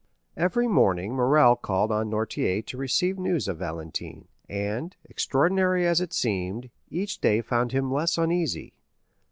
Every morning Morrel called on Noirtier to receive news of Valentine, and, extraordinary as it seemed, each day found him less uneasy.